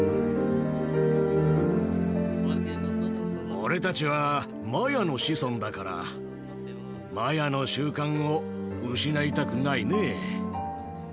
俺たちはマヤの子孫だからマヤの習慣を失いたくないねぇ。